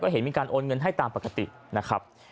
เห็นมีการโอนเงินให้ตามปกตินะครับ